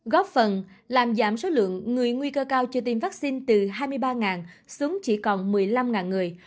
góp phần làm giảm số lượng người nguy cơ cao chưa tiêm vaccine từ hai mươi ba xuống chỉ còn một mươi năm người